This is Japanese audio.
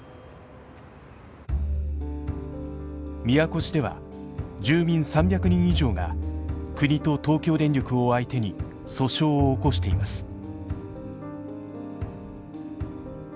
都路では住民３００人以上が国と東京電力を相手に訴訟を起こしています。